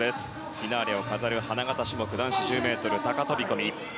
フィナーレを飾る花形種目男子１０ｍ高飛込。